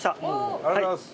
ありがとうございます。